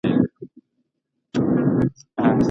ولي لېواله انسان د ذهین سړي په پرتله لوړ مقام نیسي؟